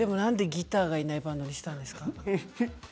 でもギターがいないバンドにしたんですか。